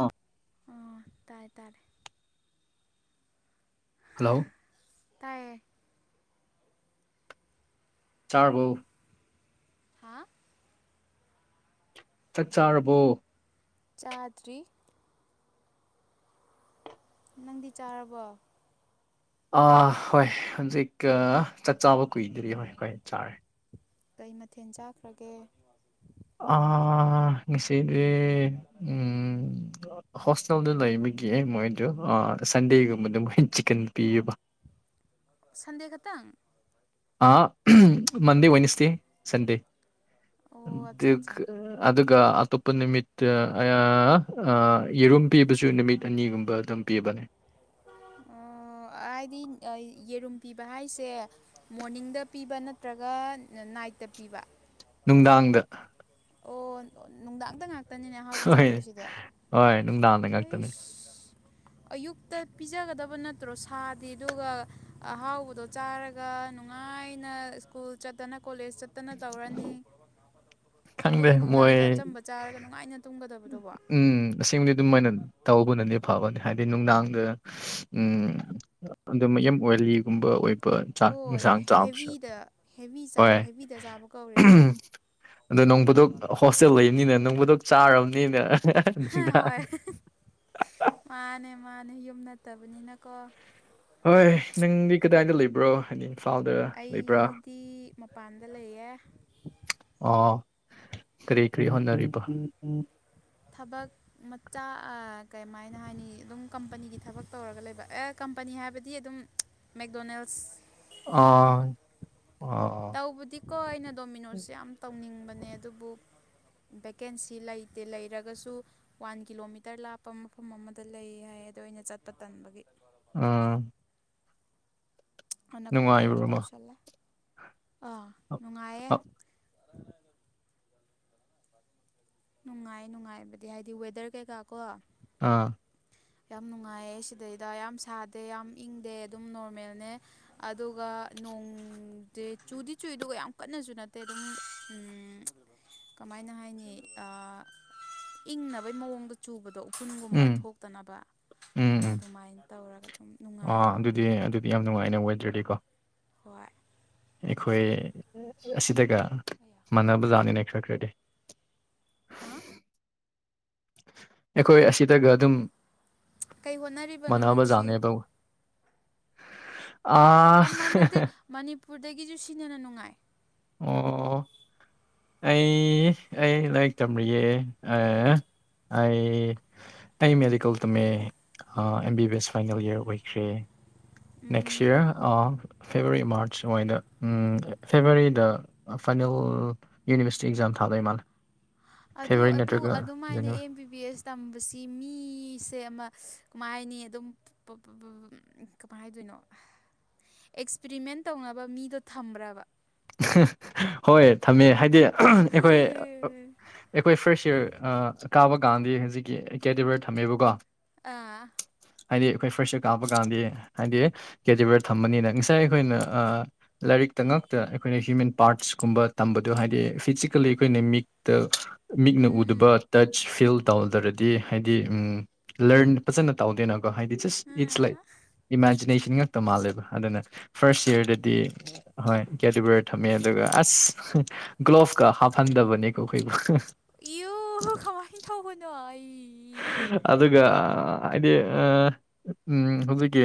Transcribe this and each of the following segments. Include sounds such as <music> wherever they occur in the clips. ꯑꯥ ꯑꯣ ꯇꯥꯏ ꯇꯥꯏꯔꯦ ꯍꯜꯂꯣ ꯇꯥꯏꯌꯦ ꯆꯥꯔꯕꯣ ꯍꯥꯥ ꯆꯥꯛ ꯆꯥꯔꯕꯣ ꯆꯥꯗ꯭ꯔꯤ ꯅꯪꯗꯤ ꯆꯥꯔꯕꯣ ꯑ ꯍꯣꯏ ꯍꯧꯟꯖꯤꯛꯀ ꯆꯥꯛ ꯆꯥꯕ ꯀꯨꯏꯗꯨꯗꯤ ꯍꯣꯏ ꯍꯣꯏ ꯆꯥꯔꯦ ꯀꯩ ꯃꯊꯦꯜ ꯆꯥꯈ꯭ꯔꯒꯦ ꯑ ꯑꯁꯤꯗꯤ ꯎꯝ ꯍꯣꯁꯇꯦꯜꯗ ꯂꯩꯕꯒꯤ ꯃꯣꯏꯗꯨ ꯁꯟꯗꯦꯒꯨꯝꯕꯗ ꯃꯣꯏ ꯆꯤꯛꯀꯟ ꯄꯤꯌꯦꯕ ꯁꯟꯗꯦ ꯇꯛꯇꯪ ꯑꯥ ꯃꯟꯗꯦ ꯋꯥꯏꯅꯤꯁꯗꯦ ꯁꯟꯗꯦ ꯑꯣ ꯑꯠꯆꯥ ꯑꯠꯆꯥ ꯑꯗꯨꯒ ꯑꯗꯨꯒ ꯑꯇꯣꯞꯄ ꯅꯨꯃꯤꯠꯇ ꯑ ꯌꯦꯔꯨꯝ ꯄꯤꯕꯁꯨ ꯅꯨꯃꯤꯠ ꯑꯅꯤꯒꯨꯝꯕ ꯑꯗꯨꯝ ꯄꯤꯕꯅꯦ ꯑ ꯍꯥꯏꯗꯤ ꯌꯦꯔꯨꯝ ꯄꯤꯕ ꯍꯥꯏꯁꯦ ꯃꯣꯔꯅꯤꯡꯗ ꯄꯤꯕ ꯅꯠꯇ꯭ꯔꯒ ꯅꯥꯏꯠꯇ ꯄꯤꯕ ꯅꯨꯡꯗꯥꯡꯗ ꯑꯣ ꯅꯨꯡꯗꯥꯡꯗ ꯉꯥꯛꯇꯅꯤꯅꯦ ꯑꯍꯥꯎꯕ ꯍꯣꯏ ꯆꯥꯗꯣꯏꯁꯤꯗꯤ ꯍꯣꯏ ꯅꯨꯡꯗꯥꯡꯗ ꯉꯥꯛꯇꯅꯦ ꯑꯩꯁ ꯑꯌꯨꯛꯇ ꯄꯤꯖꯒꯗꯕ ꯅꯠꯇ꯭ꯔꯣ ꯁꯥꯗꯤ ꯑꯗꯨꯒ ꯑꯍꯥꯎꯕꯗꯣ ꯆꯥꯔꯒ ꯅꯨꯡꯉꯥꯏꯅ ꯁ꯭ꯀꯨꯜ ꯆꯠꯇꯅ ꯀꯣꯂꯦꯖ ꯆꯠꯇꯅ ꯇꯧꯔꯅꯤ ꯈꯪꯗꯦ ꯑꯗꯨꯒ ꯅꯨꯡꯗꯥꯡꯗ ꯃꯣꯏ ꯑꯆꯝꯕ ꯆꯥꯔꯒ ꯅꯨꯡꯉꯥꯏꯅ ꯇꯨꯝꯒꯗꯕꯗꯨꯕꯣ ꯎꯝ ꯑꯁꯦꯡꯕꯗꯤ ꯑꯗꯨꯝ ꯃꯥꯏꯅ ꯇꯧꯕꯅꯅꯦ ꯐꯕꯅꯦ ꯍꯥꯏꯗꯤ ꯅꯨꯡꯗꯥꯡꯗ ꯎꯝ <inaudible> ꯑꯗꯨꯝ ꯌꯥꯝ ꯑꯣꯏꯂꯤꯒꯨꯝꯕ ꯑꯣꯏꯕ ꯆꯥꯛ ꯍꯣꯏ ꯏꯟꯁꯥꯡ ꯆꯥꯕꯁꯨ ꯍꯦꯚꯤꯗ ꯍꯦꯚꯤ ꯍꯣꯏ ꯆꯥꯕ ꯍꯦꯚꯤꯗ ꯆꯥꯕ ꯀꯧꯔꯦꯗꯅ ꯑꯗꯣ ꯅꯣꯡꯐꯗꯣꯛꯗ ꯍꯣꯁꯇꯦꯜ ꯂꯩꯕꯅꯤꯅ ꯅꯣꯡꯐꯗꯣꯛ ꯆꯥꯔꯕꯅꯤꯅ ꯍ ꯅꯨꯡꯗꯥꯡ ꯍꯣꯏ ꯃꯥꯅꯦ ꯃꯥꯅꯦ ꯌꯨꯝ ꯅꯠꯇꯕꯅꯤꯅꯀꯣ ꯍꯣꯏ ꯅꯪꯗꯤ ꯀꯗꯥꯏꯗ ꯂꯩꯕ꯭ꯔꯣ ꯍꯥꯏꯗꯤ ꯏꯝꯐꯥꯜꯗ ꯂꯩꯕ꯭ꯔꯥ ꯑꯩꯗꯤ ꯃꯄꯥꯟꯗ ꯂꯩꯌꯦ ꯑꯣ ꯀꯔꯤ ꯀꯔꯤ ꯍꯣꯠꯅꯔꯤꯕ ꯎ ꯊꯕꯛ ꯃꯆꯥ ꯑ ꯀꯃꯥꯏꯅ ꯍꯥꯏꯅꯤ ꯑꯗꯨꯝ ꯀꯝꯄꯅꯤꯒꯤ ꯊꯕꯛ ꯇꯧꯔꯒ ꯂꯩꯕ ꯑꯦ ꯀꯝꯄꯅꯤ ꯍꯥꯏꯕꯗꯤ ꯑꯗꯨꯝ ꯃꯦꯛꯗꯣꯅꯦꯜꯁ ꯑꯣ ꯑꯣ ꯇꯧꯕꯗꯤꯀꯣ ꯑꯩꯅ ꯗꯣꯃꯤꯅꯣꯁꯦ ꯌꯥꯝ ꯇꯧꯅꯤꯡꯕꯅꯦ ꯑꯗꯨꯕꯨ ꯚꯦꯀꯦꯟꯁꯤ ꯂꯩꯇꯦ ꯂꯩꯔꯒꯁꯨ ꯋꯥꯟ ꯀꯤꯂꯣꯃꯤꯇꯔ ꯂꯥꯞꯄ ꯃꯐꯝ ꯑꯃꯗ ꯂꯩ ꯍꯥꯏ ꯑꯗꯣ ꯑꯩꯅ ꯆꯠꯄ ꯇꯟꯕꯒꯤ ꯑꯥ ꯑꯅꯛꯄꯗ ꯑꯗꯨꯝ ꯅꯨꯡꯉꯥꯏꯕ꯭ꯔꯣꯃ ꯇꯧꯁꯜꯂꯦ ꯑꯥ ꯅꯨꯡꯉꯥꯏꯌꯦ ꯅꯨꯡꯉꯥꯏ ꯅꯨꯡꯉꯥꯏꯕꯗꯤ ꯍꯥꯏꯗꯤ ꯋꯦꯗꯔ ꯀꯩꯀꯥ ꯀꯣ ꯑꯥ ꯌꯥꯝ ꯅꯨꯡꯉꯥꯏꯌꯦ ꯁꯤꯗꯩꯗ ꯌꯥꯝ ꯁꯥꯗꯦ ꯌꯥꯝ ꯏꯪꯗꯦ ꯑꯗꯨꯝ ꯅꯣꯔꯃꯦꯜꯅꯦ ꯑꯗꯨꯒ ꯅꯣꯡꯗꯤ ꯆꯨꯗꯤ ꯆꯨꯏ ꯑꯗꯨꯒ ꯌꯥꯝ ꯀꯟꯅꯁꯨ ꯅꯠꯇꯦ ꯑꯗꯨꯝ ꯀꯃꯥꯏꯅ ꯍꯥꯏꯅꯤ ꯏꯪꯅꯕꯩ ꯃꯑꯣꯡꯗ ꯆꯨꯕꯗꯣ ꯎꯐꯨꯟꯒꯨꯝꯕ ꯎꯝ ꯊꯣꯛꯇꯅꯕ ꯎꯝ ꯎꯝ ꯑꯗꯨꯃꯥꯏꯅ ꯇꯧꯔꯒ ꯑꯗꯨꯝ ꯑꯥ ꯅꯨꯡꯉꯥꯏꯌꯦ ꯑꯗꯨꯗꯤ ꯑꯗꯨꯗꯤ ꯌꯥꯝ ꯅꯨꯡꯉꯥꯏꯅꯦ ꯋꯦꯗꯔꯗꯦ ꯀꯣ ꯍꯣꯏ ꯑꯩꯈꯣꯏ ꯑꯁꯤꯗꯒ ꯃꯥꯟꯅꯕ ꯖꯥꯠꯅꯤꯅꯦ ꯈꯔ ꯈꯔꯗꯤ ꯍꯥ ꯑꯩꯈꯣꯏ ꯑꯁꯤꯗꯒ ꯑꯗꯨꯝ ꯀꯩ ꯍꯣꯠꯅꯔꯤꯕꯅꯣ ꯃꯥꯟꯅꯕ ꯅꯪꯁꯤ ꯖꯥꯠꯅꯦꯕ ꯑꯥ ꯑꯝ ꯃꯥꯟꯅꯗꯦ ꯃꯅꯤꯄꯨꯔꯗꯒꯤꯖꯨ ꯁꯤꯅ‌ ꯍꯦꯟꯅ ꯅꯨꯡꯉꯥꯏ ꯑꯣ ꯑꯩ ꯑꯩ ꯂꯥꯏꯔꯤꯛ ꯇꯝꯔꯤꯌꯦ ꯑ ꯎꯝ ꯑꯩ ꯑꯩ ꯃꯦꯗꯤꯀꯦꯜ ꯇꯝꯃꯦ ꯑ M B B S final year ꯑꯣꯏꯈ꯭ꯔꯦ ꯅꯦꯛꯁ ꯎꯝ ꯌꯔ ꯑ ꯐꯦꯕꯋꯥꯔꯤ ꯃꯥꯔꯆ ꯁ꯭ꯋꯥꯏꯗ ꯎꯝ ꯐꯦꯕꯋꯥꯔꯤꯗ ꯑ ꯐꯥꯏꯅꯦꯜ ꯑꯣꯔ ꯌꯨꯅꯤꯕꯔꯁꯤꯇꯤ ꯑꯦꯛꯖꯥꯝ ꯊꯥꯕꯩ ꯃꯥꯜꯂꯦ ꯑꯗꯨ ꯐꯦꯕꯋꯥꯔꯤ ꯑꯗꯨ ꯅꯠꯇ꯭ꯔꯒ ꯑꯗꯨꯃꯥꯏꯅ January M B B S ꯇꯝꯕꯁꯤ ꯃꯤꯁꯦ ꯑꯃ ꯀꯃꯥꯏ ꯍꯥꯏꯅꯤ ꯑꯗꯨꯝ ꯄꯨ ꯄꯨ ꯕꯨ ꯕꯨꯝ ꯑꯝ ꯀꯃꯥꯏ ꯍꯥꯏꯗꯣꯏꯅꯣ ꯑꯦꯛꯁꯄ꯭ꯔꯤꯃꯦꯟ ꯇꯧꯅꯕ ꯃꯤꯗꯣ ꯊꯝꯕ꯭ꯔꯕ ꯍꯣꯏ ꯊꯝꯃꯦ ꯍꯥꯏꯗꯤ ꯑꯩꯈꯣꯏ ꯑꯛ ꯑꯩꯈꯣꯏ ꯐ꯭ꯔꯥꯁ ꯏꯌꯔ ꯑ ꯀꯥꯕ ꯀꯥꯟꯗꯤ ꯍꯧꯖꯤꯛꯀꯤ ꯀꯦꯗꯤꯕꯔ ꯊꯝꯃꯦꯕꯀꯣ ꯑ ꯍꯥꯏꯗꯤ ꯑꯩꯈꯣꯏ ꯐ꯭ꯔꯥꯁ ꯀꯥꯕ ꯀꯥꯟꯗ ꯍꯥꯏꯗꯤ ꯀꯦꯗꯤꯕꯔ ꯊꯝꯕꯅꯤꯅ ꯉꯁꯥꯏ ꯑꯈꯣꯏꯅ ꯑ ꯂꯥꯏꯔꯤꯛꯇ ꯉꯛ ꯇ ꯑꯩꯈꯣꯏꯅ ꯍ꯭ꯌꯨꯃꯦꯟ ꯄꯥꯔꯠꯁꯀꯨꯝꯕ ꯇꯝꯕꯗꯣ ꯍꯥꯏꯗꯤ ꯐꯤꯖꯤꯀꯦꯜꯂꯤ ꯑꯩꯈꯣꯏꯅ ꯃꯤꯛꯇ ꯃꯤꯛꯅ ꯎꯝ ꯎꯝ ꯎꯗꯕ ꯇꯆ ꯐꯤꯜ ꯇꯧꯗ꯭ꯔꯗꯤ ꯍꯥꯏꯗꯤ ꯎꯝ ꯂ꯭ꯔꯟ ꯐꯖꯅ ꯇꯧꯗꯦꯅꯀꯣ ꯍꯥꯏꯗꯤ ꯖꯁ ꯏꯠꯁ ꯂꯥꯏꯛ ꯏꯃꯥꯖꯤꯅꯦꯁꯟ ꯉꯥꯛ ꯇ ꯃꯥꯜꯂꯦꯕ ꯑꯗꯨꯅ ꯐꯥꯔꯁ ꯏꯌ꯭ꯔꯗꯗꯤ ꯍꯣꯏ ꯀꯦꯗꯤꯕꯔ ꯊꯝꯃꯦ ꯑꯗꯨꯒ ꯑꯁ ꯍꯨꯡ ꯒ꯭ꯂꯣꯞꯀ ꯍꯥꯞꯐꯟꯗꯕꯅꯦꯀꯣ ꯑꯩꯈꯣꯏꯕꯨ ꯏꯌꯨ ꯀꯃꯥꯏꯅ ꯇꯧꯕꯅꯣ ꯑꯩ ꯑꯗꯨꯒ ꯍꯥꯏꯗꯤ ꯑ ꯎꯝ ꯍꯧꯖꯤꯛꯀꯤ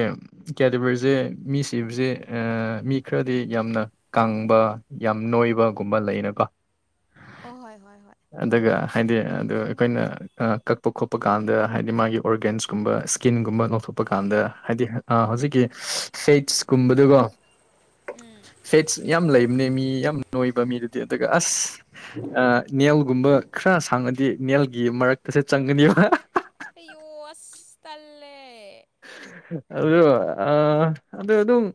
ꯀꯦꯗꯤꯕꯔꯖꯦ ꯃꯤ ꯁꯤꯕꯁꯦ ꯑ ꯃꯤ ꯈꯔꯗꯤ ꯌꯥꯝꯅ ꯀꯪꯕ ꯌꯥꯝ ꯅꯣꯏꯕꯒꯨꯝꯕ ꯂꯩꯅꯀ‌ꯣ ꯑꯣ ꯍꯣꯏ ꯍꯣꯏ ꯍꯣꯏ ꯑꯗꯨꯒ ꯍꯥꯏꯗꯤ ꯑꯗꯨ ꯑꯩꯈꯣꯏꯅ ꯑ ꯀꯛꯄ ꯈꯣꯠꯄ ꯀꯥꯟꯗ ꯍꯥꯏꯗꯤ ꯃꯥꯒꯤ ꯑꯣꯔꯒꯥꯟꯁꯀꯨꯝꯕ ꯁ꯭ꯀꯤꯟꯒꯨꯝꯕ ꯊꯨꯞꯄ ꯀꯥꯟꯗ ꯍꯥꯏꯗꯤ ꯑ ꯍꯧꯖꯤꯛꯀꯤ ꯐ‌ꯦꯠꯁ ꯀꯨꯝꯕꯗꯨꯒꯣ ꯐꯦꯠꯁ ꯌꯥꯝ ꯂꯩꯕꯅꯦ ꯃꯤ ꯌꯥꯝ ꯅꯣꯏꯕ ꯃꯤꯗꯗꯤ ꯑꯗꯨꯒ ꯑꯁ ꯑ ꯅꯦꯜꯒꯨꯝꯕ ꯈꯔ ꯁꯥꯡꯉꯗꯤ ꯅꯦꯜꯒꯤ ꯃꯔꯛꯇꯁꯨ ꯆꯪꯒꯅꯤꯕ ꯑꯌꯣ ꯑꯁ ꯇꯜꯂꯦ ꯑꯗꯨꯒ ꯑ ꯑꯗꯨ ꯑꯗꯨꯝ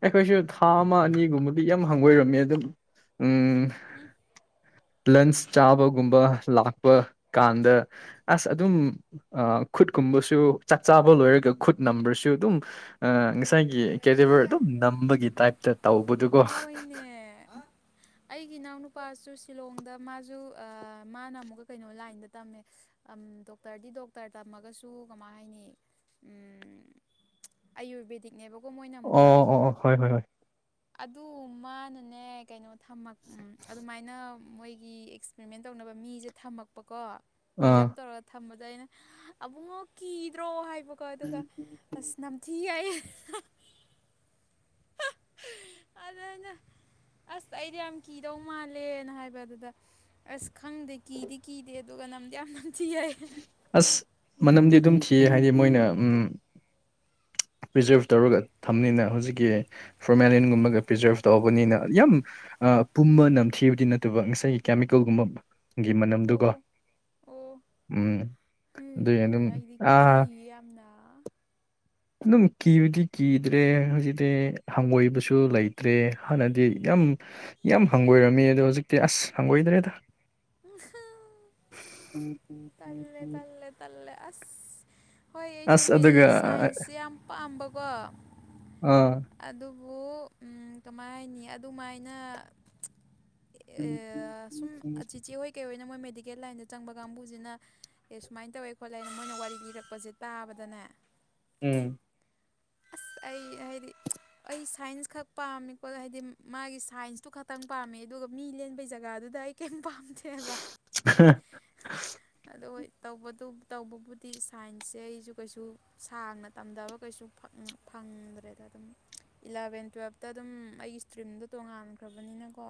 ꯑꯩꯈꯣꯏꯁꯨ ꯊꯥ ꯑꯃ ꯑꯅꯤꯒꯨꯝꯕꯗꯤ ꯌꯥꯝ ꯍꯪꯒꯣꯏꯔꯝꯃꯦ ꯑꯗꯨꯝ ꯎꯝ ꯂꯟꯁ ꯆꯥꯕꯒꯨꯝꯕ ꯂꯥꯛꯄ ꯀꯥꯟꯗ ꯑꯁ ꯑꯗꯨꯝ ꯑ ꯈꯨꯠꯀꯨꯝꯕꯁꯨ ꯆꯥꯛꯆꯥꯥꯕ ꯂꯣꯏꯔꯒ ꯈꯨꯠ ꯅꯝꯕ꯭ꯔꯁꯨ ꯑꯗꯨꯝ ꯑ ꯉꯁꯥꯏꯒꯤ ꯀꯦꯗꯤꯕꯔ ꯑꯗꯨꯝ ꯅꯝꯕꯒꯤ ꯇꯥꯏꯞꯇ ꯇꯧꯕꯗꯨꯀꯣ ꯑꯦ ꯑꯩꯒꯤ ꯏꯅꯥꯎꯅꯨꯄꯥꯁꯨ ꯁꯤꯂꯣꯡꯗ ꯃꯥꯖꯨ ꯑ ꯃꯥꯅ ꯑꯃꯨꯛꯀ ꯀꯩꯅꯣ ꯂꯥꯏꯟꯗ ꯇꯝꯃꯦ ꯑꯝ ꯗꯣꯛꯇꯔꯗꯤ ꯗꯣꯛꯇꯔ ꯇꯝꯃꯒꯁꯨ ꯀꯃꯥꯏ ꯍꯥꯏꯅꯤ ꯑꯝ ꯑꯌꯨꯔꯕꯦꯗꯤꯛꯅꯦꯕꯀꯣ ꯃꯣꯏꯅ ꯑꯣ ꯑꯃꯨꯛꯀ ꯑꯣ ꯑꯣ ꯍꯣꯏ ꯍꯣꯏ ꯍꯣꯏ ꯑꯗꯨ ꯃꯥꯅꯅꯦ ꯀꯩꯅꯣ ꯊꯃꯛ ꯑꯝ ꯑꯗꯨꯃꯥꯏꯅ ꯃꯣꯏꯒꯤ ꯑꯦꯛꯁꯄ꯭ꯔꯤꯃꯦꯟ ꯇꯧꯅꯕ ꯃꯤꯖꯦ ꯊꯝꯃꯛꯄꯀꯣ ꯑꯥ ꯄ꯭ꯔꯤꯖꯥꯕ ꯇꯧꯔꯒ ꯊꯝꯕꯗꯣ ꯑꯩꯅ ꯑꯕꯨꯡꯉꯣ ꯀꯤꯗ꯭ꯔꯣ ꯍꯥꯏꯕꯀꯣ ꯑꯗꯨꯒ ꯑꯁ ꯅꯝꯊꯤ ꯍꯥꯏꯌꯦ ꯑꯗ ꯑꯩꯅ ꯑꯁ ꯑꯩꯗꯤ ꯌꯥꯝ ꯀꯤꯗꯧ ꯃꯥꯜꯂꯦꯅ ꯍꯥꯏꯕ ꯑꯗꯨꯗ ꯑꯁ ꯈꯪꯗꯦ ꯀꯤꯗꯤ ꯀꯤꯗꯦ ꯑꯗꯨꯒ ꯅꯝꯗꯤ ꯌꯥꯝ ꯅꯝꯊꯤ ꯍꯥꯏꯌ‌ꯦ ꯑꯁ ꯃꯅꯝꯗꯤ ꯑꯗꯨꯝ ꯊꯤꯌꯦ ꯍꯥꯏꯗꯤ ꯃꯣꯏꯅ ꯎꯝ ꯄ꯭ꯔꯤꯖꯥꯕ ꯇꯧꯔꯒ ꯊꯝꯅꯤꯅ ꯍꯧꯖꯤꯛꯀꯤ ꯐꯣꯔꯃꯦꯂꯤꯟꯒꯨꯝꯕꯒ ꯄ꯭ꯔꯤꯖ꯭ꯔꯕ ꯇꯧꯕꯅꯤꯅ ꯌꯥꯝ ꯄꯨꯝꯃ ꯅꯝꯊꯤꯕꯗꯤ ꯅꯠꯇꯕ ꯉꯁꯥꯏꯒꯤ ꯀꯦꯃꯤꯀꯦꯜꯒꯨꯝꯕ ꯒꯤ ꯃꯅꯝꯗꯨꯒ ꯑꯣ ꯑꯣ ꯎꯝ ꯑꯗꯨꯏ ꯎꯝ ꯑꯗꯨꯝ ꯑꯩꯗꯤ ꯀꯤ ꯑꯥ ꯌꯥꯝꯅ ꯑꯗꯨꯝ ꯀꯤꯕꯗꯤ ꯀꯤꯗ꯭ꯔꯦ ꯍꯧꯖꯤꯛꯇꯤ ꯍꯪꯒꯣꯏꯕꯁꯨ ꯂꯩꯇ꯭ꯔꯦ ꯍꯥꯟꯅꯗꯤ ꯌꯥꯝ ꯌꯥꯝ ꯍꯪꯒꯣꯏꯔꯝꯃ‌ꯦ ꯑꯗꯣ ꯍꯧꯖꯤꯛꯇꯤ ꯑꯁ ꯍꯪꯒꯣꯏꯗ꯭ꯔꯦꯗ <unintelligible> <unintelligible> ꯇꯜꯂꯦ ꯇꯜꯂꯦ ꯇꯜꯂꯦ ꯑꯁ ꯍꯣꯏ ꯑꯩꯁꯨ ꯑꯁ ꯑꯗꯨꯒ ꯁꯥꯏꯟꯁꯁꯦ ꯌꯥꯝ ꯄꯥꯝꯕꯀꯣ ꯑ ꯑꯗꯨꯕꯨ ꯎꯝ ꯀꯃꯥꯏ ꯍꯥꯏꯅꯤ ꯑꯗꯨꯃꯥꯏꯅ ꯁꯨꯝ ꯆꯤꯆꯦ ꯍꯣꯏ ꯀꯩꯍꯣꯏꯅ ꯃꯣꯏ ꯃꯦꯗꯤꯀꯦꯜ ꯂꯥꯏꯟꯗ ꯆꯪꯕ ꯀꯥꯡꯕꯨꯁꯤꯅ ꯑꯦ ꯁꯨꯃꯥꯏꯅ ꯇꯧꯋꯦ ꯈꯣꯠꯂꯦ ꯍꯥꯏꯅ ꯃꯣꯏꯅ ꯋꯥꯔꯤ ꯂꯤꯔꯛꯄꯁꯦ ꯇꯥꯕꯗꯅꯦ ꯎꯝ ꯑꯁ ꯑꯩ ꯍꯥꯏꯗꯤ ꯑꯩ ꯁꯥꯏꯟꯁ ꯈꯛ ꯄꯥꯝꯃꯤꯀꯣ ꯍꯥꯏꯗꯤ ꯃꯥꯒꯤ ꯁꯥꯏꯟꯁꯇꯨ ꯈꯛꯇꯪ ꯄꯥꯝꯃꯦ ꯑꯗꯨꯒ ꯃꯤ ꯂꯦꯟꯕꯩꯖꯒꯥꯗꯨꯗ ꯑꯩ ꯀꯩꯝ ꯄꯥꯝꯗꯦ ꯍꯥꯏꯕ ꯑꯗꯨ ꯍꯣꯏ ꯇꯧꯕ ꯇꯧꯕꯕꯨꯗꯤ ꯁꯥꯏꯟꯁꯁꯦ ꯑꯩꯁꯨ ꯀꯩꯁꯨ ꯁꯥꯡꯅ ꯇꯝꯗꯕ ꯀꯩꯁꯨ ꯐꯛꯅ ꯐꯪꯗ꯭ꯔꯦꯗ ꯑꯗꯨꯝ ꯏꯂꯚꯦꯟ ꯇꯨꯋꯦꯞꯇ ꯑꯗꯨꯝ ꯑꯩꯒꯤ ꯏꯁꯇ꯭ꯔꯤꯝꯗꯣ ꯇꯣꯉꯥꯟꯈ꯭ꯔꯕꯅꯤꯅꯀꯣ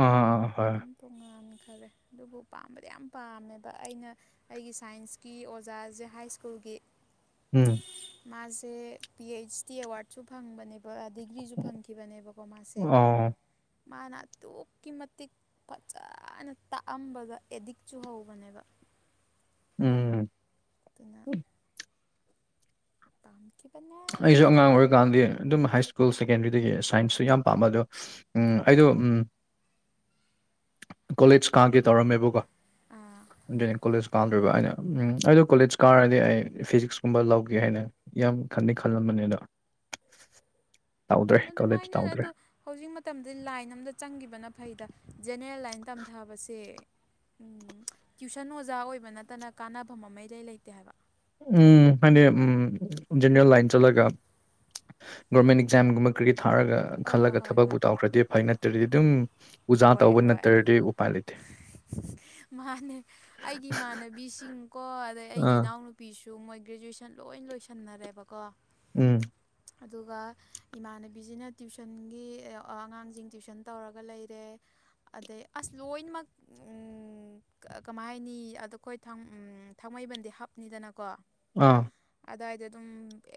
ꯑꯥ ꯍꯣꯏ ꯇꯣꯡꯉꯥꯟꯈꯔꯦ ꯑꯗꯨꯕꯨ ꯄꯥꯝꯕꯗꯤ ꯌꯥꯝ ꯄꯥꯝꯃꯦꯕ ꯑꯩꯅ ꯑꯩꯒꯤ ꯁꯥꯏꯟꯁꯀꯤ ꯑꯣꯖꯥꯁꯦ ꯍꯥꯏ ꯁ꯭ꯀꯨꯜꯒꯤ ꯎꯝ ꯃꯥꯁꯦ ꯄꯤ ꯑꯩꯆ ꯗꯤ ꯑꯦꯋꯥꯔꯗꯁꯨ ꯐꯪꯕꯅꯦꯕ ꯍꯥꯏꯗꯤ ꯗꯤꯒ꯭ꯔꯤꯁꯨ ꯐꯪꯈꯤꯕꯅꯦꯕꯀꯣ ꯃꯥꯁꯦ ꯑꯣ ꯃꯥꯅ ꯑꯗꯨꯛꯀꯤ ꯃꯇꯤꯛ ꯐꯖꯅ ꯇꯥꯛꯑꯝꯕꯗ ꯑꯦꯗꯤꯛ ꯆꯨꯍꯧꯕꯅꯦꯕ ꯎꯝ ꯑꯗꯨꯅ ꯇꯝꯈꯤꯕꯅꯦ ꯑꯩꯁꯨ ꯑꯉꯥꯡ ꯑꯣꯏꯔꯤꯀꯥꯟꯗꯤ ꯑꯗꯨꯝ ꯍꯥꯏ ꯁ꯭ꯀꯨꯜ ꯁꯦꯀꯦꯟꯗ꯭ꯔꯤꯗꯒꯤ ꯁꯥꯏꯟꯁꯁꯨ ꯌꯥꯝ ꯄꯥꯝꯕ ꯑꯗꯣ ꯎꯝ ꯑꯩꯗꫭ ꯎꯝ ꯀꯣꯂꯦꯖ ꯀꯥꯒꯦ ꯇꯧꯔꯝꯃꯦꯕꯀꯣ ꯑꯥ ꯑꯗꯨꯅꯤ ꯀꯣꯂꯦꯖ ꯀꯥꯗꯣꯏꯕ ꯑꯩꯅ ꯎꯝ ꯑꯩꯗꯣ ꯀꯣꯂꯦꯖ ꯀꯥꯔꯗꯤ ꯑꯩ ꯐꯤꯖꯤꯛꯁꯀꯨꯝꯕ ꯂꯧꯒꯦ ꯍꯥꯏꯅ ꯌꯥꯝ ꯈꯟꯗꯤ ꯈꯜꯂꯝꯕꯅꯦ ꯑꯗꯣ ꯇꯧꯗ꯭ꯔꯦ ꯀꯣꯂꯦꯖ ꯑꯗꯨꯃꯥꯏꯅ ꯑꯗꯣ ꯇꯧꯗ꯭ꯔꯦ ꯍꯧꯖꯤꯛ ꯃꯇꯝꯗꯗꯤ ꯂꯥꯏꯟ ꯑꯝꯗ ꯆꯪꯈꯤꯕꯅ ꯐꯩꯗ ꯖꯦꯅꯦꯔꯦꯜ ꯂꯥꯏꯟ ꯇꯝꯊꯕꯁꯦ ꯎꯝ ꯇ꯭ꯋꯤꯁꯟ ꯑꯣꯖꯥ ꯑꯣꯏꯕ ꯅꯠꯇꯅ ꯀꯥꯟꯅꯐꯝ ꯑꯃ ꯏꯂꯩꯩ ꯂꯩꯇꯦ ꯍꯥꯏꯕ ꯎꯝ ꯍꯥꯏꯗꯤ ꯎꯝ ꯖꯦꯅꯔꯦꯜ ꯂꯥꯏꯟ ꯆꯠꯂꯒ ꯒꯣꯔꯃꯦꯟ ꯑꯦꯛꯖꯥꯝꯒꯨꯝꯕ ꯀꯔꯤ ꯊꯥꯔꯒ ꯑ ꯈꯜꯂꯒ ꯍꯣꯏ ꯍꯣꯏ ꯊꯕꯛꯄꯨ ꯇꯧꯈ꯭ꯔꯗꯤ ꯐꯩ ꯅꯠꯇ꯭ꯔꯗꯤ ꯑꯗꯨꯝ ꯎꯖꯥ ꯍꯣꯏ ꯇꯧꯕ ꯍꯣꯏ ꯅꯠꯇ꯭ꯔꯗꯤ ꯎꯄꯥꯏ ꯂꯩꯇꯦ ꯃꯥꯅꯦ ꯑꯩꯒꯤ ꯏꯃꯥꯟꯅꯕꯤꯁꯤꯡꯀꯣ ꯑꯗꯩ ꯑꯩꯒꯤ ꯑꯥ ꯏꯅꯥꯎꯅꯨ ꯄꯤꯁꯨ ꯃꯣꯏ ꯒ꯭ꯔꯦꯖꯨꯑꯦꯁꯟ ꯂꯣꯏ ꯂꯣꯏꯁꯟꯅꯔꯦꯕꯀꯣ ꯎꯝ ꯑꯗꯨꯒ ꯏꯃꯥꯟꯅꯕꯤꯁꯤꯅ ꯇ꯭ꯋꯤꯁꯟꯒꯤ ꯑꯉꯥꯡꯁꯤꯡ ꯇ꯭ꯋꯤꯁꯟ ꯇꯧꯔꯒ ꯂꯩꯔꯦ ꯑꯗꯩ ꯑꯁ ꯂꯣꯏꯅꯃꯛ ꯎꯝ ꯀꯃꯥꯏ ꯍꯥꯏꯅꯤ ꯑꯗꯣ ꯑꯩꯈꯣꯏ ꯊꯥꯡ ꯊꯥꯡꯃꯩꯕꯟꯗꯤ ꯍꯥꯞꯅꯤꯗꯅꯀꯣ ꯑꯥ ꯑꯗꯋꯥꯏꯗ ꯑꯗꯨꯝ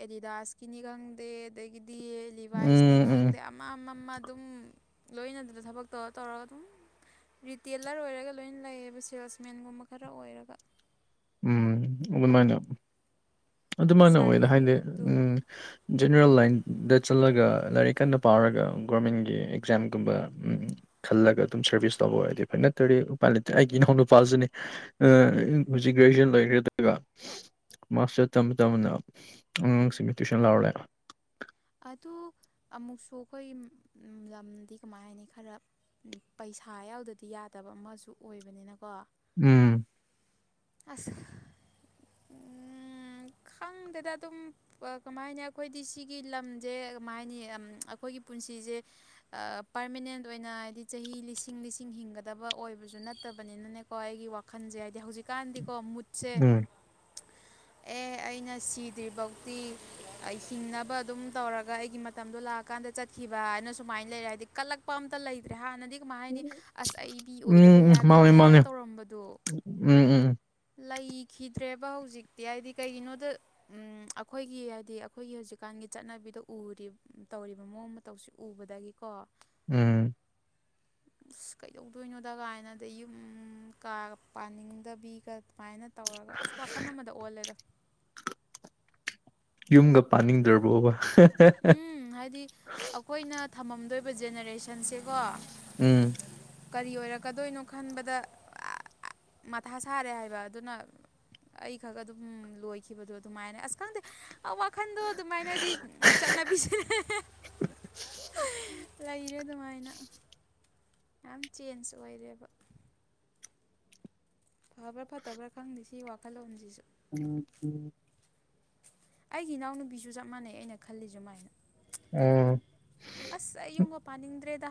ꯑꯦꯂꯤꯗꯥꯁꯀꯤꯅꯤ ꯈꯪꯗꯦ ꯑꯗꯥꯒꯤꯗꯤ ꯂꯤꯚꯥꯏꯁꯅꯤ ꯎꯝ ꯎꯝ ꯈꯪꯗꯦ ꯃꯥ ꯃꯥ ꯃꯥ ꯑꯗꯨꯝ ꯂꯣꯏꯅꯗꯅ ꯊꯕꯛ ꯇꯧꯔ ꯇꯧꯔꯒ ꯑꯗꯨꯝ ꯔꯤꯇꯦꯂꯔ ꯑꯣꯏꯔꯒ ꯂꯣꯏ ꯂꯩꯌꯦꯕ ꯁꯦꯜꯁꯃꯦꯟꯒꯨꯝꯕ ꯈꯔ ꯑꯣꯏꯔꯒ ꯎꯝ ꯑꯗꯨꯃꯥꯏꯅ ꯑꯗꯨꯃꯥꯏꯅ ꯑꯣꯏꯗ ꯍꯥꯏꯗꯤ ꯁꯥꯔꯇꯤꯐꯤꯀꯦꯠꯇꯨ ꯎꯝ ꯖꯦꯅꯦꯔꯦꯜ ꯂꯥꯏꯟꯗ ꯆꯠꯂꯒ ꯂꯥꯏꯔꯤꯛ ꯀꯟꯅ ꯄꯥꯔꯒ ꯒꯣꯔꯃꯦꯟꯒꯤ ꯑꯦꯛꯖꯥꯝꯒꯨꯝꯕ ꯎꯝ ꯈꯜꯂꯒ ꯑꯗꯨꯝ ꯁ꯭ꯔꯚꯤꯁ ꯇꯧꯕ ꯑꯣꯏꯔꯗꯤ ꯐꯥꯏ ꯅꯠꯇꯔꯗꯤ ꯎꯄꯥꯏ ꯂꯩꯠꯇꯦ ꯑꯩꯒꯤ ꯏꯅꯥꯎ ꯅꯨꯄꯥꯁꯨꯅꯦ ꯑꯥ ꯎꯝ ꯍꯧꯖꯤꯛ ꯒ꯭ꯔꯦꯖꯨꯑꯦꯁꯟ ꯂꯩꯈ꯭ꯔꯦ ꯑꯗꯨꯒ ꯃꯥꯁꯇꯔ ꯇꯝ ꯇꯝꯅ ꯑꯉꯥꯡꯁꯤꯡꯒꯤ ꯇꯨꯏꯁꯟ ꯂꯥꯎꯔꯦ ꯑꯗꯨ ꯑꯃꯨꯛꯁꯨ ꯑꯩꯈꯣꯏ ꯂꯝꯗꯤ ꯀꯃꯥꯏ ꯍꯥꯏꯅꯤ ꯈꯔ ꯄꯩꯁꯥ ꯌꯥꯎꯗꯗꯤ ꯌꯥꯗꯕ ꯑꯃꯁꯨ ꯑꯣꯏꯕꯅꯤꯅꯀꯣ ꯎꯝ ꯑꯁ ꯎꯝ ꯈꯪꯗꯦꯗ ꯑꯗꯨꯝ ꯄꯥ ꯀꯃꯥꯏ ꯍꯥꯏꯅꯤ ꯑꯩꯈꯣꯏꯗꯤ ꯁꯤꯒꯤ ꯂꯝꯁꯦ ꯀꯃꯥꯏ ꯍꯥꯏꯅꯤ ꯑꯩꯈꯣꯏꯒꯤ ꯄꯨꯟꯁꯤꯁꯦ ꯑꯥ ꯄꯥ꯭ꯔꯃꯤꯅꯦꯟ ꯑꯣꯏꯅ ꯍꯥꯏꯗꯤ ꯆꯍꯤ ꯂꯤꯁꯤꯡ ꯂꯤꯁꯤꯡ ꯍꯤꯡꯒꯗꯕ ꯑꯣꯏꯕꯁꯨ ꯅꯠꯇꯕꯅꯤꯅꯅꯦ ꯀꯣ ꯑꯩꯒꯤ ꯋꯥꯈꯜꯁꯦ ꯍꯥꯏꯗꯤ ꯍꯧꯖꯤꯛꯀꯥꯟꯗꯤꯀꯣ ꯃꯨꯠꯁꯦ ꯎꯝ <inaudible> ꯑꯦ ꯑꯩꯅ ꯁꯤꯗ꯭ꯔꯤꯐꯧꯇꯤ ꯍꯤꯡꯅꯕ ꯑꯗꯨꯝ ꯇꯧꯔꯒ ꯑꯩꯒꯤ ꯃꯇꯝꯗꯣ ꯂꯥꯛ ꯀꯥꯟꯗ ꯆꯠꯈꯤꯕ ꯍꯥꯏꯅ ꯁꯨꯃꯥꯏꯅ ꯂꯩꯔꯦ ꯍꯥꯏꯗꯤ ꯀꯜꯂꯛꯄ ꯑꯝꯇ ꯂꯩꯇ꯭ꯔꯦ ꯍꯥꯟꯅꯗꯤ ꯀꯃꯥꯏ ꯍꯥꯏꯅꯤ ꯑꯁ ꯑꯩ ꯃꯤ ꯑꯣꯏꯗꯕ ꯎꯝ ꯎꯝ ꯃꯥꯅꯦ ꯌꯥꯗꯦꯅ ꯃꯥꯅꯦ ꯇꯧꯔꯝꯕꯗꯣ ꯎꯝ ꯎꯝ ꯂꯩꯈꯤꯗ꯭ꯔꯦꯕ ꯍꯧꯖꯤꯛꯇꯤ ꯍꯥꯏꯗꯤ ꯀꯩꯒꯤꯅꯣꯗ ꯎꯝ ꯑꯩꯈꯣꯏꯒꯤ ꯍꯥꯏꯗꯤ ꯑꯩꯈꯣꯏꯒꯤ ꯍꯧꯖꯤꯛꯀꯥꯟꯒꯤ ꯆꯠꯅꯕꯤꯗ ꯎꯔꯤꯕ꯫ ꯇꯧꯔꯤꯕ ꯃꯑꯣꯡ ꯃꯇꯧꯁꯤ ꯎꯕꯗꯒꯤꯀꯣ꯫ ꯎꯝ ꯑꯁ ꯀꯩꯗꯧꯗꯣꯏꯅꯣꯗ ꯀꯥꯏꯅ ꯑꯗꯩ ꯌꯨꯝ ꯀꯥꯒ ꯄꯥꯅꯤꯡꯗꯕꯤꯒ꯫ ꯁꯨꯃꯥꯏꯅ ꯇꯧꯔꯒ ꯑꯁ ꯋꯥꯈꯜ ꯑꯃꯗ ꯑꯣꯜꯂꯦꯗ꯫ ꯌꯨꯝꯒ ꯄꯥꯅꯤꯡꯗ꯭ꯔꯕꯣꯕ꯫ ꯎꯝ ꯍꯥꯏꯗꯤ ꯑꯩꯈꯣꯏꯅ ꯊꯝꯃꯝꯗꯣꯏꯕ ꯖꯦꯅꯦꯔꯦꯁꯟꯁꯦꯀꯣ꯫ ꯎꯝ ꯀꯔꯤ ꯑꯣꯏꯔꯛꯀꯗꯣꯏꯅꯣ ꯈꯟꯕꯗ ꯃꯊꯥ ꯁꯥꯔꯦ ꯍꯥꯏꯕ ꯑꯗꯨꯅ꯫ ꯑꯩꯈꯛ ꯑꯗꯨꯝ ꯂꯣꯏꯈꯤꯕꯗꯣ ꯑꯗꯨꯃꯥꯏꯅ ꯑꯁ ꯈꯪꯗꯦ ꯋꯥꯈꯟꯗꯣ ꯑꯗꯨꯃꯥꯏ ꯊꯥꯏꯅꯗꯤ ꯆꯠꯅꯕꯤꯁꯦ ꯂꯩꯔꯦ ꯑꯗꯨꯃꯥꯏꯅ꯫ ꯌꯥꯝ ꯆꯦꯟꯖ ꯑꯣꯏꯔꯦꯕ꯫ ꯐꯕ꯭ꯔꯥ ꯐꯠꯇꯕ꯭ꯔꯥ ꯈꯪꯗꯦ ꯁꯤ ꯋꯥꯈꯜꯂꯣꯟꯁꯤꯁꯨ꯫ <inaudible> ꯑꯩꯒꯤ ꯏꯅꯥꯎꯅꯨꯄꯤꯁꯨ ꯆꯞ ꯃꯥꯟꯅꯩ ꯑꯩꯅ ꯈꯜꯂꯤ ꯁꯨꯃꯥꯏꯅ꯫ ꯎꯝ꯫ ꯑꯁ ꯑꯩ ꯌꯨꯝꯒ ꯄꯥꯅꯤꯡꯗ꯭ꯔꯦꯗ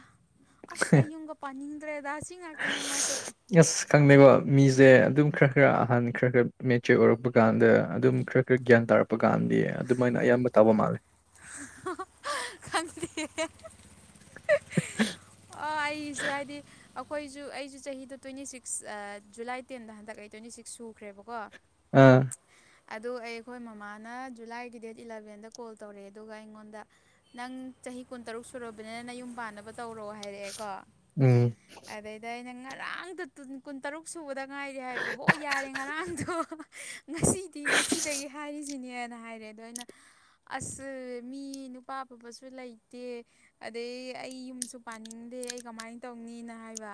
ꯑꯁ ꯑꯩ ꯌꯨꯝꯒ ꯄꯥꯅꯤꯡꯗ꯭ꯔꯦꯗ ꯑꯁꯤ ꯉꯥꯛ ꯑꯗꯨꯅꯦ ꯃꯥꯁꯨ꯫ ꯌꯦꯁ ꯈꯪꯅꯩꯕ ꯃꯤꯁꯦ ꯑꯗꯨꯝ ꯈꯔ ꯈꯔ ꯑꯍꯟ ꯈꯔ ꯈꯔ ꯃꯦꯆꯔ ꯑꯣꯏꯔꯛꯄ꯫ ꯀꯥꯟꯗ ꯑꯗꯨꯝ ꯈꯔ ꯈꯔ ꯒ꯭ꯌꯥꯟ ꯇꯥꯔꯛꯄ ꯀꯥꯟꯗꯤ ꯑꯗꯨꯃꯥꯏꯅ ꯑꯌꯥꯝꯕ ꯇꯧꯕ ꯃꯥꯜꯂꯦ꯫ <unintelligible> ꯈꯪꯗꯦ꯫ ꯑꯣ ꯑꯩꯁꯨ ꯍꯥꯏꯗꯤ ꯑꯩꯈꯣꯏꯁꯨ ꯑꯩꯁꯨ ꯆꯍꯤꯗ ꯇ꯭ꯋꯦꯟꯇꯤ ꯁꯤꯛꯁ ꯖꯨꯂꯥꯏ ꯇꯦꯟꯗ ꯍꯟꯗꯛ ꯑꯩ ꯇ꯭ꯋꯦꯟꯇꯤ ꯁꯤꯛꯁ ꯁꯨꯈ꯭ꯔꯦꯕꯀꯣ꯫ ꯑꯥ ꯑꯗꯨ ꯑꯩꯈꯣꯏ ꯃꯃꯥꯅ ꯖꯨꯂꯥꯏꯒꯤ ꯗꯦꯠ ꯏꯂꯕꯦꯟꯗ ꯀꯣꯜ ꯇꯧꯔꯛꯑꯦ ꯑꯗꯨꯒ ꯑꯩꯉꯣꯟꯗ꯫ ꯅꯪ ꯆꯍꯤ ꯀꯨꯟꯇꯔꯨꯛ ꯁꯨꯔꯕꯅꯤꯅ ꯅꯪ ꯌꯨꯝ ꯄꯥꯟꯅꯕ ꯇꯧꯔꯣ ꯍꯥꯏꯔꯛꯑꯦꯀꯣ꯫ ꯎꯝ꯫ ꯑꯗ ꯑꯩꯅ ꯉꯔꯥꯡꯗꯣ ꯀꯨꯟ ꯇꯔꯨꯛ ꯁꯨꯕꯗ ꯉꯥꯏꯔꯦ ꯍꯥꯏꯕ ꯍꯣ ꯌꯥꯔꯦ ꯉꯔꯥꯡꯗꯣ꯫ ꯉꯁꯤꯗꯤ ꯉꯁꯤꯗꯒꯤ ꯍꯥꯏꯔꯤꯁꯤꯅꯦꯅ ꯍꯥꯏꯔꯦ ꯑꯗꯣ ꯑꯩꯅ ꯑꯁ ꯃꯤ ꯅꯨꯄꯥ ꯑꯐꯕꯁꯨ ꯂꯩꯇꯦ꯫ ꯑꯗꯩ ꯑꯩ ꯌꯨꯝꯁꯨ ꯄꯥꯅꯤꯡꯗꯦ ꯑꯩ ꯀꯃꯥꯏꯅ ꯇꯧꯅꯤꯅ ꯍꯥꯏꯕ꯫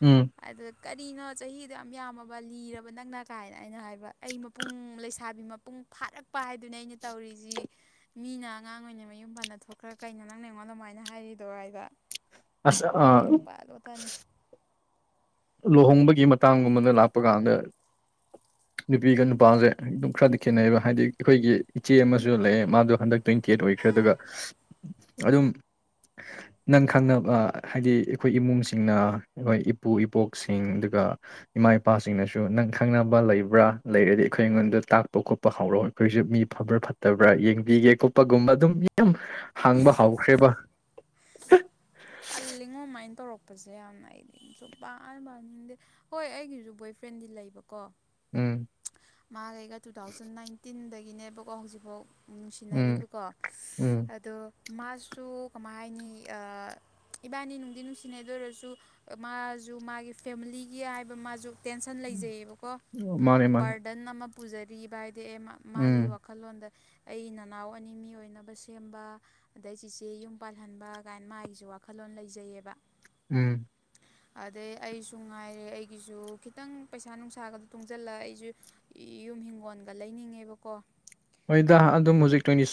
ꯎꯝ꯫ ꯑꯗ ꯀꯔꯤꯅꯣ ꯆꯍꯤꯗꯣ ꯌꯥꯝ ꯌꯥꯝꯃꯕ ꯂꯤꯔꯕ ꯅꯪꯅ ꯀꯥꯏꯅ ꯑꯩꯅ ꯍꯥꯏꯕ ꯑꯩ ꯃꯄꯨꯡ ꯂꯩꯁꯥꯕꯤ ꯃꯄꯨꯡ ꯐꯥꯔꯛꯄ ꯍꯥꯏꯗꯨꯅ ꯑꯩꯅ ꯇꯧꯔꯤꯁꯤ꯫ ꯃꯤꯅ ꯑꯉꯥꯡ ꯑꯣꯏꯅ ꯃꯌꯨꯝ ꯄꯥꯟꯗ ꯊꯣꯛꯈ꯭ꯔ ꯀꯩꯅꯣ ꯅꯪꯅ ꯑꯩꯉꯣꯟꯗ ꯑꯗꯨꯃꯥꯏꯅ ꯍꯥꯏꯔꯤꯗꯣ ꯍꯥꯏꯕ ꯑꯁ ꯑꯥ ꯅꯌꯨꯝ ꯄꯥꯜꯂꯣꯇꯅꯤ꯫ ꯂꯨꯍꯣꯡꯕꯒꯤ ꯃꯇꯥꯡꯒꯨꯝꯕꯗ ꯂꯥꯛꯄ ꯀꯥꯟꯗ꯫ ꯅꯨꯄꯤꯒ ꯅꯨꯄꯥꯒ ꯑꯗꯨꯝ ꯈꯔꯗꯤ ꯈꯦꯠꯅꯩꯕ ꯍꯥꯏꯗꯤ ꯑꯩꯈꯣꯏꯒꯤ ꯏꯆꯦ ꯑꯃꯁꯨ ꯂꯩꯌꯦ ꯃꯥꯗꯣ ꯍꯟꯗꯛ ꯇ꯭ꯋꯦꯟꯇꯤꯑꯦꯠ ꯑꯣꯏꯈ꯭ꯔꯦ ꯑꯗꯨꯒ ꯑꯗꯨꯝ ꯅꯪ ꯈꯪꯅꯕ ꯍꯥꯏꯗꯤ ꯑꯩꯈꯣꯏ ꯏꯃꯨꯡꯁꯤꯡꯅ ꯑꯩꯈꯣꯏ ꯏꯄꯨ ꯏꯄꯣꯛ ꯁꯤꯡ ꯑꯗꯨꯒ ꯏꯃꯥ ꯏꯄꯥꯁꯤꯡꯅꯁꯨ ꯅꯪ ꯈꯪꯅꯕ ꯂꯩꯕ꯭ꯔꯥ ꯂꯩꯔꯗꯤ ꯑꯩꯈꯣꯏ ꯑꯩꯉꯣꯟꯗ ꯇꯥꯛꯄ ꯈꯣꯠꯄ ꯍꯧꯔꯛꯑꯣ ꯑꯩꯈꯣꯏꯁꯨ ꯃꯤ ꯐꯕ꯭ꯔꯥ ꯐꯠꯇꯕ꯭ꯔꯥ ꯌꯦꯡꯕꯤꯒꯦ ꯈꯣꯠꯄꯒꯨꯝꯕ ꯑꯗꯨꯝ ꯌꯥꯝ ꯍꯪꯡꯕ ꯍꯥꯎꯈ꯭ꯔꯦꯕ꯫ ꯇꯜꯂꯤꯉꯣ ꯑꯗꯨꯃꯥꯏꯅ ꯇꯧꯔꯛꯄꯁꯦ ꯌꯥꯝꯅ ꯑꯩꯗꯤ ꯁꯨꯨꯛꯄꯥꯟ ꯄꯥꯟꯅꯤꯡꯗꯦ꯫ ꯍꯣꯏ ꯑꯩꯒꯤꯁꯨ ꯕꯣꯏ ꯐ꯭ꯔꯦꯟꯗꯤ ꯂꯩꯕꯀꯣ꯫ ꯎꯝ꯫ ꯃꯥꯒ ꯑꯩꯒ ꯇꯨ ꯊꯥꯎꯖꯟ ꯅꯥꯏꯟꯇꯤꯟꯗꯒꯤꯅꯦꯕꯀꯣ ꯍꯧꯖꯤꯛꯐꯥꯎ ꯎꯝ ꯅꯨꯡꯁꯤꯅꯔꯤꯕꯀꯣ ꯎꯝ ꯑꯗꯣ ꯃꯥꯁꯨ ꯀꯃꯥꯏ ꯍꯥꯏꯅꯤ꯫ ꯏꯕꯥꯅꯤ ꯅꯨꯡꯗꯤ ꯅꯨꯡꯁꯤꯅꯩ ꯑꯗꯨ ꯑꯣꯏꯔꯁꯨ ꯃꯥꯁꯨ ꯃꯥꯒꯤ ꯐꯦꯃꯤꯂꯤꯒꯤ ꯍꯥꯏꯕ ꯃꯥꯁꯨ ꯇꯦꯟꯁꯟ ꯂꯩꯖꯩꯌꯦꯕꯀꯣ ꯑꯣ ꯃꯥꯅꯦ ꯃꯥꯅꯦ ꯗꯟ ꯑꯃ ꯄꯨꯖꯔꯤꯕ ꯍꯥꯏꯗꯤ ꯑꯦ ꯃꯥ ꯃꯥꯒꯤ ꯎꯝ ꯋꯥꯈꯜꯂꯣꯟꯗ ꯑꯩ ꯅꯅꯥꯎ ꯑꯅꯤ ꯃꯤ ꯑꯣꯏꯅꯕ ꯁꯦꯝꯕ ꯑꯗꯩ ꯆꯦꯆꯦ ꯌꯨꯝ ꯄꯥꯜꯍꯟꯕ ꯒꯥꯏꯅ ꯃꯥꯒꯤꯁꯨ ꯋꯥꯈꯜꯂꯣꯟ ꯂꯩꯖꯩꯌꯦꯕ ꯎꯝ ꯑꯗꯩ ꯑꯩꯁꯨ ꯉꯥꯏꯔꯦ ꯑꯩꯒꯤꯁꯨ ꯈꯤꯇꯪ ꯄꯩꯁꯥ ꯅꯨꯡꯁꯥꯒꯗ ꯇꯨꯡꯁꯤꯜꯂ ꯑꯩꯁꯨ ꯖꯨ ꯌꯨꯝ ꯍꯤꯡꯒꯣꯜꯒ ꯂꯩꯅꯤꯡꯉꯦꯕꯀꯣ ꯍꯣꯏꯗ ꯑꯗꯨꯝ ꯍꯧꯖꯤꯛ ꯇ꯭ꯋꯦꯟꯇꯤ